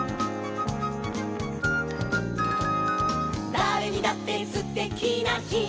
「だれにだってすてきなひ」